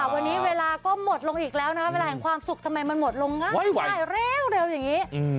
วันนี้เวลาก็หมดลงอีกแล้วนะคะเวลาแห่งความสุขทำไมมันหมดลงง่ายเร็วอย่างนี้